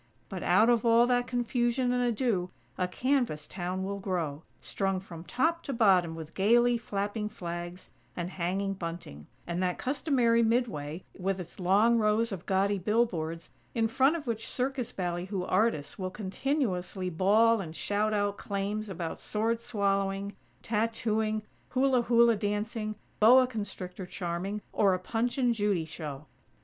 But out of all that confusion and ado a canvas town will grow, strung from top to bottom with gaily flapping flags and hanging bunting, and that customary "mid way" with its long rows of gaudy billboards, in front of which circus ballyhoo artists will continuously bawl and shout out claims about sword swallowing, tattooing, hula hula dancing, boa constrictor charming, or a Punch and Judy show.